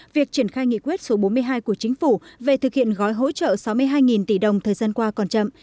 việc triển khai nghị quyết số bốn mươi hai của chính phủ về thực hiện gói hỗ trợ sáu mươi hai tỷ đồng thời gian qua còn chậm